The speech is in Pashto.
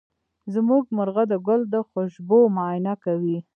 زمونږ مرغه د ګل د خوشبو معاینه کوي.